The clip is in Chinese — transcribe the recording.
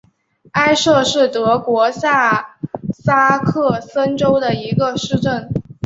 埃舍是德国下萨克森州的一个市镇。